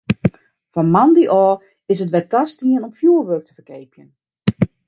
Fan moandei ôf is it wer tastien om fjoerwurk te ferkeapjen.